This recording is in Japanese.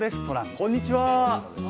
はいこんにちは。